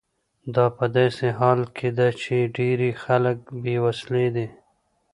دا په داسې حال کې ده چې ډیری خلک بې وسیلې دي.